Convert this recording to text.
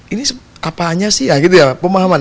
ini apaannya sih ya gitu ya pemahaman